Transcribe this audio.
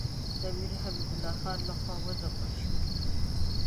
د امیر حبیب الله خان له خوا وځپل شو.